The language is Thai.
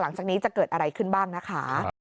หลังจากนี้จะเกิดอะไรขึ้นบ้างนะคะ